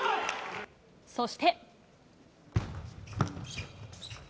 そして。